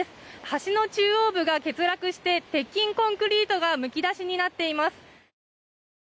橋の中央部が欠落して鉄筋コンクリートがむき出しになっています。